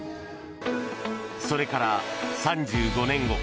それから３５年後。